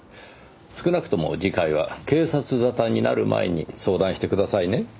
少なくとも次回は警察沙汰になる前に相談してくださいね。